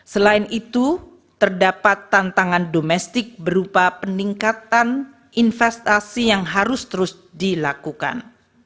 selain itu terdapat tantangan domestik berupa peningkatan investasi yang harus terus dilakukan